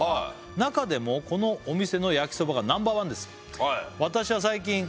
「中でもこのお店の焼きそばがＮｏ．１です」